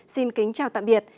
xin kính chào tạm biệt